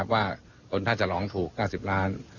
ว่าคนพรคจะร้องถูก๙๐ล้านบาท